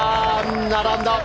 並んだ！